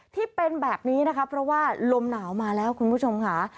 ที่เป็นแบบนี้นะคะเพราะว่าลมหนาวมาแล้วคุณผู้ชมค่ะ